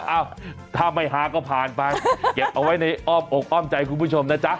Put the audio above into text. เอ้าถ้าไม่หาก็ผ่านไปเก็บเอาไว้ในอ้อมอกอ้อมใจคุณผู้ชมนะจ๊ะ